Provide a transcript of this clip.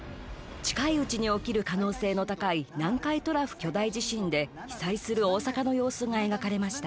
近いうちに起きる可能性の高い南海トラフ巨大地震で被災する大阪の様子が描かれました。